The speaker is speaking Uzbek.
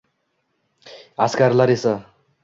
Askarlar esa